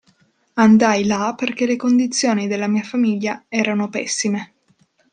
Andai là perché le condizioni della mia famiglia erano pessime.